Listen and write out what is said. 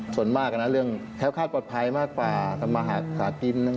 ส่วนมากนะเรื่องแค้วคาดปลอดภัยมากกว่าทำมาหากิน